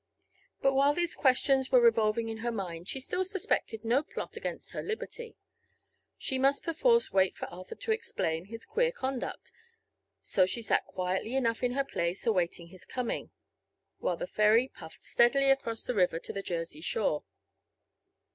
But while these questions were revolving in her mind she still suspected no plot against her liberty. She must perforce wait for Arthur to explain his queer conduct; so she sat quietly enough in her place awaiting his coming, while the ferry puffed steadily across the river to the Jersey shore.